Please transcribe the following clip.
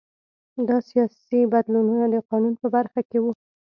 دا سیاسي بدلونونه د قانون په برخه کې وو